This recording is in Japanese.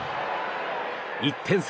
１点差。